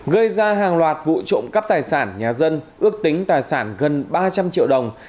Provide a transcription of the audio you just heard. gây ra hàng loạt vụ trộm cắp tài sản nhà dân ước tính tài sản gần ba trăm linh triệu đồng